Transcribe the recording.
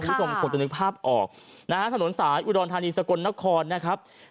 คุณผู้ชมคงจะนึกภาพออกนะฮะถนนสายอุดรธานีสกลนครนะครับ